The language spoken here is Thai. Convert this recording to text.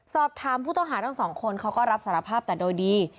สอบถามผู้ต้องหาทั้งสองคนเขาก็รับสารภาพแต่โดยดี